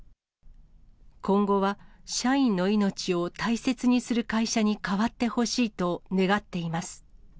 今後は、社員の命を大切にする会社に変わってほしいと願っています。